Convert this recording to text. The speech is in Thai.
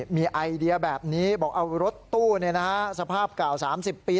มีไอเดียแบบนี้บอกเอารถตู้สภาพเก่า๓๐ปี